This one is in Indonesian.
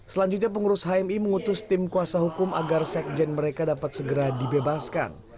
selanjutnya pengurus hmi mengutus tim kuasa hukum agar sekjen mereka dapat segera dibebaskan